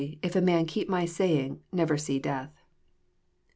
if a man keep my saying. ..never see death.'